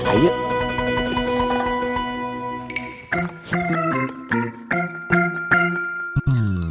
mereka teh nyuruh kita ini